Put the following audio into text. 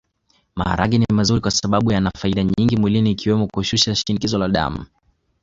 Maharage ni mazuri kwasababu yana faida nyingi mwilini ikiwemo kushusha shinikizo la damu